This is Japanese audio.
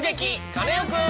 カネオくん」。